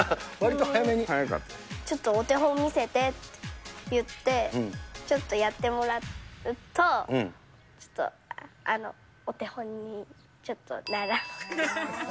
ちょっとお手本見せてって言ってちょっとやってもらうと、ちょっと、お手本にちょっと、ならない。